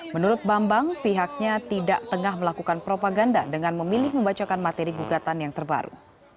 menurut bambang pihaknya tidak tengah melakukan propaganda dengan memilih membacakan materi gugatan yang terbaru